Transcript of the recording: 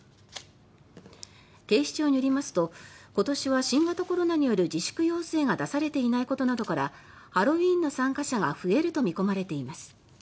警視庁によりますと今年は新型コロナによる自粛要請が出されていないことなどからハロウィーンの参加者が増えると見込まれています。